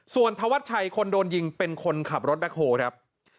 ส่วนธวัชชัยคนโดนยิงเป็นคนขับรถแบคโฮครับ